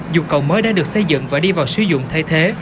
dù cầu mới đã được xây dựng và đi vào sử dụng thay thế